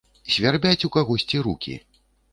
Свярбяць у кагосьці рукі.